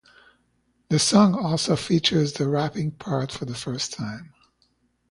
The song also features the rapping part for the first time.